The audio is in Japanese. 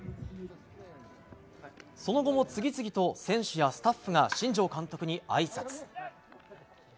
その後も次々と選手やスタッフが新庄監督にあいさつ。